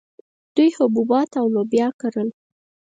دوی حبوبات او لوبیا کرل